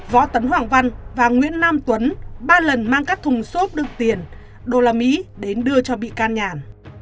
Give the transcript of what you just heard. võ tấn hoàng văn và nguyễn nam tuấn ba lần mang các thùng xốp đựng tiền usd đến đưa cho bị can nhàn